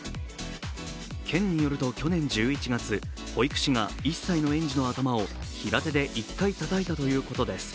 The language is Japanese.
県によると去年１１月、保育士が１歳の園児の頭を平手で１回たたいたということです